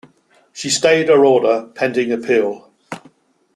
She stayed her order pending appeal.